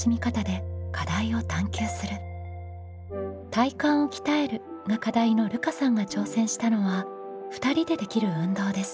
「体幹を鍛える」が課題のるかさんが挑戦したのは２人でできる運動です。